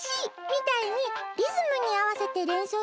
みたいにリズムにあわせてれんそうする